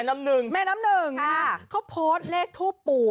แม่น้ำหนึ่งนะครับฮ่ะเขาโพสต์เลขทูปปู่